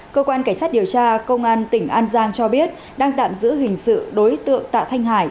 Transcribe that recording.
cơ quan cảnh sát điều tra công an tỉnh an giang cho biết đang tạm giữ hình sự đối tượng tạ thanh hải